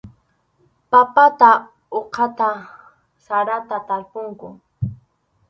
Papata uqata sarata tarpunku.